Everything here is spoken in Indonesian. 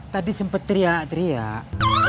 tadi sempet teriak teriak